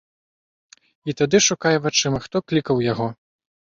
І тады шукае вачыма, хто клікаў яго.